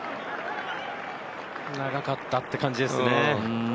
長かったっていう感じですね。